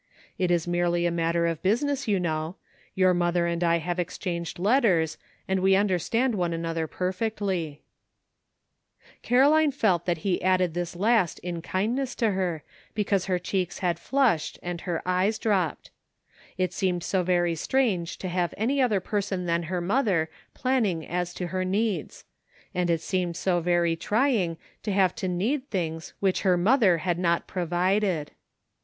It is merely a matter of business, you know ; your mother and I have exchanged letters and we understand one another perfectly." A LONG, WONDEBFUL DAY. 217 Caroline felt that be added this last in kind ness to her, because her cheeks had flushed and her eyes drooped. It seemed so very strange to have any other person than her mother plan ning as to her needs ; and it seemed so very trying to have to need things which her mother had not provided.